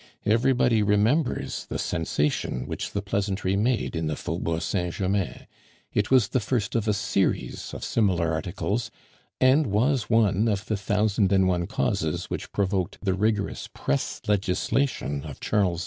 Everybody remembers the sensation which the pleasantry made in the Faubourg Saint Germain; it was the first of a series of similar articles, and was one of the thousand and one causes which provoked the rigorous press legislation of Charles X.